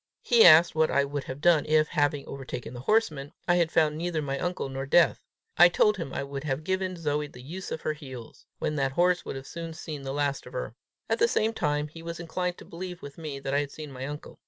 He asked what I would have done, if, having overtaken the horseman, I had found neither my uncle nor Death. I told him I would have given Zoe the use of her heels, when that horse would soon have seen the last of her. At the same time, he was inclined to believe with me, that I had seen my uncle.